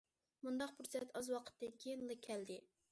مۇنداق پۇرسەت ئاز ۋاقىتتىن كېيىنلا كەلدى.